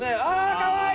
かわいい！